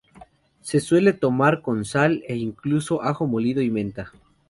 Se suele tomar con sal e incluso ajo molido y menta.